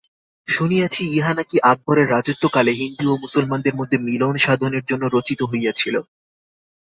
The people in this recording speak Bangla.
শুনিয়াছি, ইহা নাকি আকবরের রাজত্বকালে হিন্দু ও মুসলমানের মধ্যে মিলন-সাধনের জন্য রচিত হইয়াছিল।